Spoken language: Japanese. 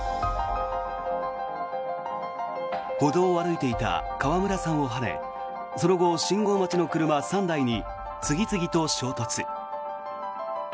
歩道を歩いていた川村さんをはねその後、信号待ちの車３台に次々と衝突。